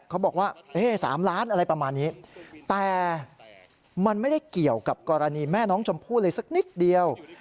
เขาบอกว่า๓ล้านอะไรประมาณนี้แต่มันไม่ได้เกี่ยวกับกรณีแม่น้องชมพู่เลยสักนิดเดียว